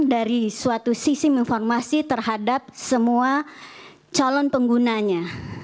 dari suatu sistem informasi terhadap semua calon penggunanya